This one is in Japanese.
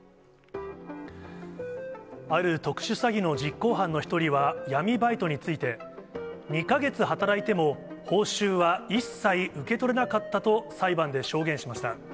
ある特殊詐欺の実行犯の一人は、闇バイトについて、２か月働いても、報酬は一切受け取れなかったと裁判で証言しました。